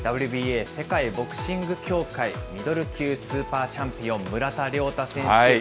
ＷＢＡ・世界ボクシング協会ミドル級スーパーチャンピオン、村田諒太選手。